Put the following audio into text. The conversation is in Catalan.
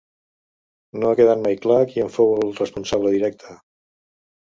No ha quedat mai clar qui en fou el responsable directe.